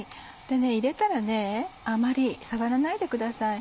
入れたらあまり触らないでください。